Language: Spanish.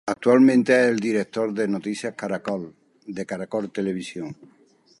Actualmente es director de "Noticias Caracol", de Caracol Televisión.